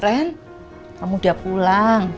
ren kamu udah pulang